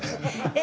え？